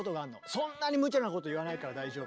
そんなにむちゃなこと言わないから大丈夫。